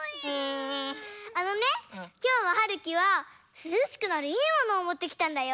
あのねきょうははるきはすずしくなるいいものをもってきたんだよ。